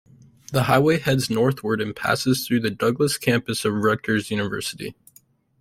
The highway heads northward and passes through the Douglass Campus of Rutgers University.